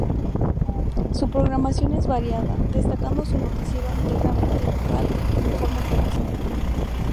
Su programación es variada, destacando su noticiero íntegramente local "Informe Prensa".